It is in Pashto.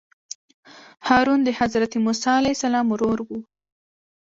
هارون د حضرت موسی علیه السلام ورور وو.